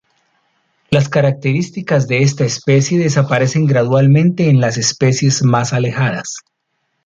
Las características de esta especie desaparecen gradualmente en las especies más alejadas.